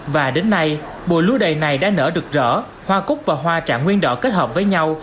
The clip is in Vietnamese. và đến nay bùa lúa đầy này đã nở được rỡ hoa cúc và hoa trạng nguyên đỏ kết hợp với nhau